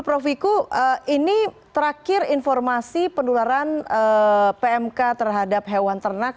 prof wiku ini terakhir informasi pendularan pmk terhadap hewan ternak